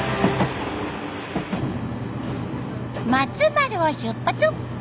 松丸を出発！